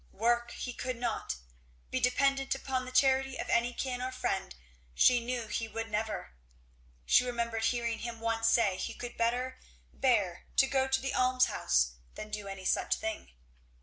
Work he could not; be dependent upon the charity of any kin or friend she knew he would never; she remembered hearing him once say he could better bear to go to the almshouse than do any such thing.